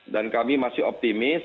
dan kami masih optimis